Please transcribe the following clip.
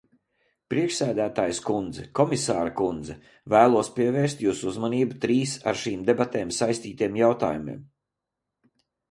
Priekšsēdētājas kundze, komisāres kundze, vēlos pievērst jūsu uzmanību trīs ar šīm debatēm saistītiem jautājumiem.